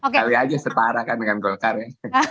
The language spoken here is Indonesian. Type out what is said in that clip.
kali aja setara kan dengan golkar ya